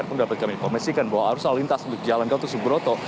dan pun dapat kami informasikan bahwa arus lalu lintas untuk jalan gatuh suburoto